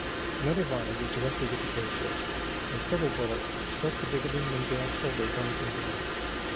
Another volley was directed at the airship, and several bullets struck the big aluminum gas holder glancing blows.